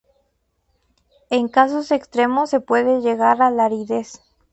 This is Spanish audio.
En casos extremos se puede llegar a la aridez.